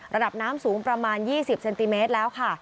ระดับน้ำสูงประมาณ๒๐เซนติเมตรแล้วค่ะ